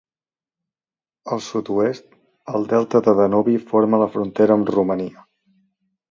Al sud-oest, el delta del Danubi forma la frontera amb Romania.